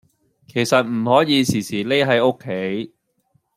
其實唔可以時時匿喺屋企